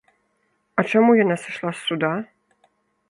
А чаму яна сышла з суда?